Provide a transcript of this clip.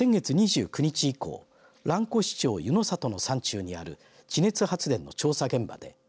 先月２９日以降蘭越町湯里の山中にある地熱発電の調査